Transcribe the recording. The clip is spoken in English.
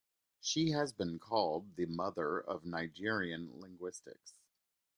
She has been called The Mother of Nigerian Linguistics.